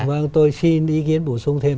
vâng tôi xin ý kiến bổ sung thêm